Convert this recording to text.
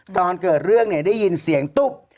ตอนเกิดเรื่องเนี่ยได้ยินเสียงตุ๊บ